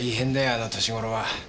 あの年頃は。